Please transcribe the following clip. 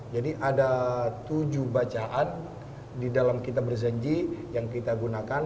jadi ada tujuh bacaan di dalam kitab barzanji yang kita gunakan